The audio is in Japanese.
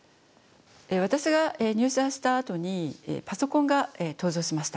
私が入社したあとにパソコンが登場しました。